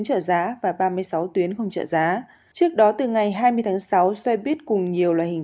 trợ giá và ba mươi sáu tuyến không trợ giá trước đó từ ngày hai mươi tháng sáu xe buýt cùng nhiều loại hình